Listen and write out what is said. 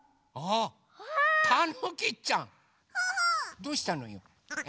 どうしたのよ？え？